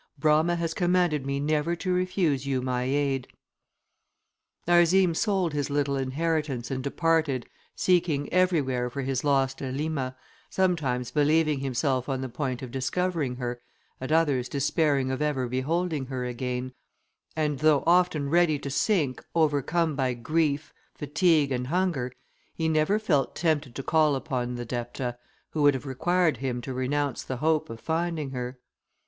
Brama has commanded me never to refuse you my aid." Narzim sold his little inheritance and departed, seeking everywhere for his lost Elima, sometimes believing himself on the point of discovering her, at others despairing of ever beholding her again; and though often ready to sink overcome by grief, fatigue, and hunger, he never felt tempted to call upon the Depta, who would have required him to renounce the hope of finding her.